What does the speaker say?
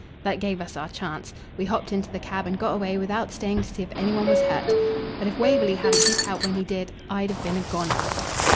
That gave us our chance. We hopped into the cab and got away without staying to see if any one was hurt. But if Waverley hadn't hit out when he did I'd have been a goner."